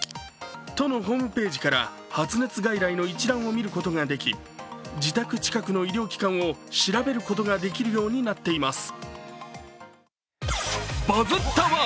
都のホームページから発熱外来の医療機関を見ることができ自宅近くの医療機関を調べることができるようになっています。